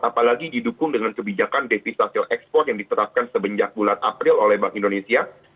apalagi didukung dengan kebijakan devisa hasil ekspor yang diterapkan semenjak bulan april oleh bank indonesia